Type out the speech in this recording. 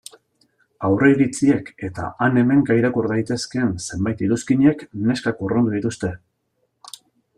Aurreiritziek eta han-hemenka irakur daitezkeen zenbait iruzkinek neskak urrundu dituzte.